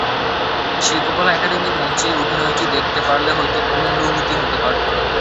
শিল্পকলা একাডেমীর মঞ্চে অভিনয়টি দেখতে পারলে হয়তো অন্য অনুভূতি হতে পারত।